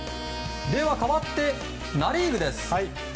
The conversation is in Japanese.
かわってナ・リーグです。